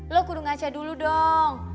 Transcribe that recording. lo kudung aca dulu dong